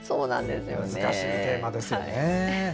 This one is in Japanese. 難しいテーマですね。